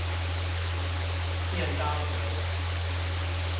便當盒